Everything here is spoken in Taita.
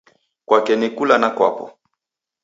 Kwake ni kula na kwapo